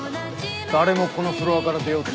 誰もこのフロアから出ようとしない。